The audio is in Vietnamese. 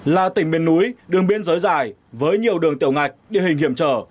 là tỉnh miền núi đường biên giới dài với nhiều đường tiểu ngạch địa hình hiểm trở